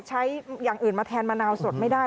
อย่างอื่นมาแทนมะนาวสดไม่ได้